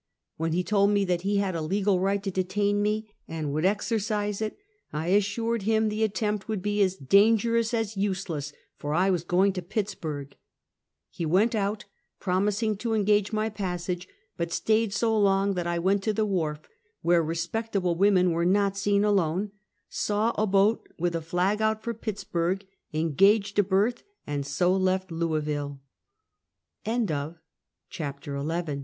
"When he told me that he had a legal right to detain me, and would exercise it, 1 assured him the at tempt would be as dangerous as useless, for I was go ing to Pittsburg. He went out, promising to engage my passage, but staid so long that I went to the wharf, where respecta ble women were not seen alone, saw a boat with a flag out for Pittsburg, e